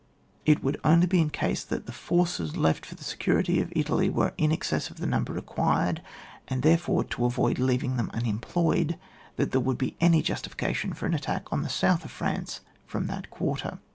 It would only be in case that the forces left for the security of Italy were in excess 9f the number required, and, therefore, to avoid leaving them unemployed, that there would be any justification for an attack on the South of France from that quarter.